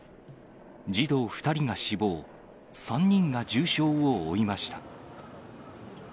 児童２人が死亡、３人が重傷を負いました。